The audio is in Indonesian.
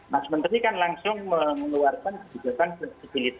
mas menteri kan langsung mengeluarkan kehidupan persczyzntiaz diskussasio datare villicite